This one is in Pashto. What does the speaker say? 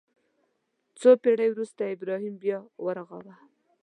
څو پېړۍ وروسته ابراهیم بیا ورغاوه.